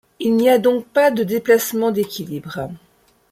Il n'y a donc pas de déplacement d'équilibre.